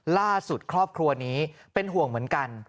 ครอบครัวนี้เป็นห่วงเหมือนกัน